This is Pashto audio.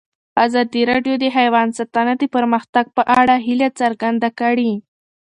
ازادي راډیو د حیوان ساتنه د پرمختګ په اړه هیله څرګنده کړې.